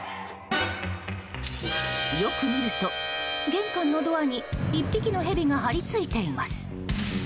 よく見ると玄関のドアに１匹のヘビが張り付いています。